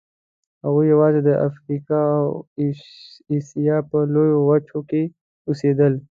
هغوی یواځې د افریقا او اسیا په لویو وچو کې اوسېدل.